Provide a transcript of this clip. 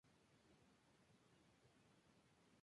Tuvieron tres hijos, incluido el director de cine Juan Mora.